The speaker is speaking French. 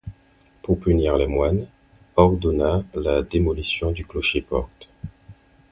Pour punir les moines, ordonna la démolition du clocher-porte.